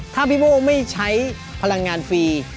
ถ้าพี่โม่ไม่ใช้พลังงานฟรี